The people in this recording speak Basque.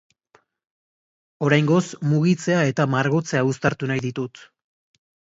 Oraingoz, mugitzea eta margotzea uztartu nahi ditut.